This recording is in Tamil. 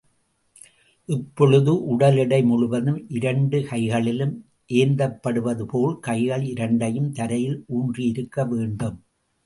இப்பொழுது உடல் எடை முழுவதும் இரண்டு கைகளிலும் ஏந்தப்படுவது போல், கைகள் இரண்டையும் தரையில் ஊன்றியிருக்க வேண்டும்.